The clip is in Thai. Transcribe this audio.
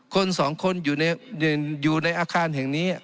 คนสองคนอยู่ในอาคารแห่งนี้